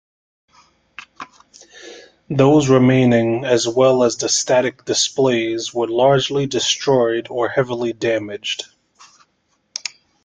Those remaining as well as the static displays were largely destroyed or heavily damaged.